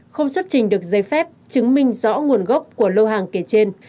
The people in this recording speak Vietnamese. không xuất trình được giấy phép chứng minh rõ nguồn gốc của lô hàng kể trên